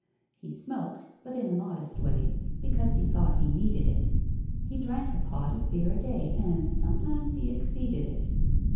He smoked, but in a modest way, Because he thought he needed it; He drank a pot of beer a day, And sometimes he exceeded it.